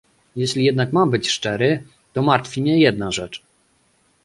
Jeśli jednak mam być szczery, to martwi mnie jedna rzecz